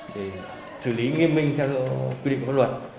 để xử lý nghiêm minh theo quy định của luật